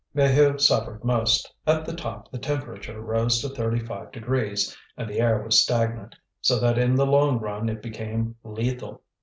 Maheu suffered most. At the top the temperature rose to thirty five degrees, and the air was stagnant, so that in the long run it became lethal.